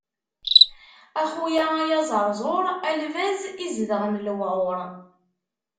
A xuya ay aẓerẓur, a lbaz izedɣen lewɛur.